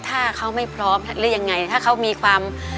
ถ้าเขาไม่พร้อมหรือยังไงถ้าเขามีความ